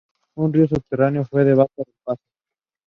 This suggested that over time there are trends in judging people.